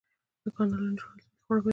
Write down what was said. د کانالونو جوړول ځمکې خړوبوي